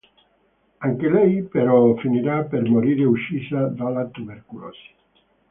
Anche lei, però, finirà per morire uccisa dalla tubercolosi.